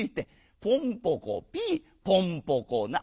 ポンポコピーポンポコナー」。